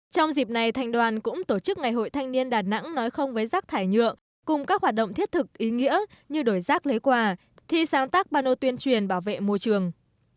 trong dịp này thành đoàn cũng tổ chức ngày hội thanh niên đà nẵng nói không với rác thải nhựa cùng các hoạt động thiết thực ý nghĩa như đổi rác lấy quà thi sáng tác bà nô tuyên truyền bảo vệ môi trường